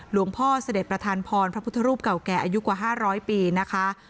พระเสด็จประธานพรพระพุทธรูปเก่าแก่อายุกว่า๕๐๐ปีนะคะ